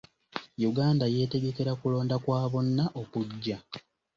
Uganda yeetegekera kulonda kwa bonna okujja.